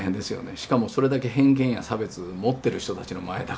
しかもそれだけ偏見や差別持ってる人たちの前だから。